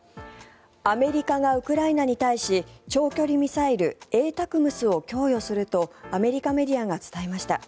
アメリカがウクライナに対し長距離ミサイル、ＡＴＡＣＭＳを供与するとアメリカメディアが伝えました。